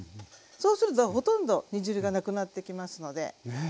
そうするとほとんど煮汁がなくなってきますので。